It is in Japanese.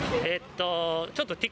えっと、